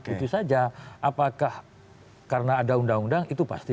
itu saja apakah karena ada undang undang itu pasti